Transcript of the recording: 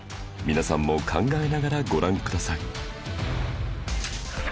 皆さんも考えながらご覧ください